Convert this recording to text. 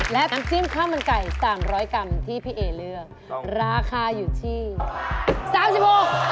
และน้ำจิ้มข้าวมันไก่๓๐๐กรัมที่พี่เอ๋เลือกราคาอยู่ที่๓๖กรัม